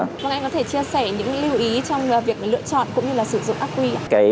còn anh có thể chia sẻ những lưu ý trong việc lựa chọn cũng như sử dụng ác quy